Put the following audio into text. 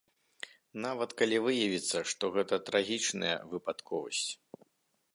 Нават калі выявіцца, што гэта трагічная выпадковасць.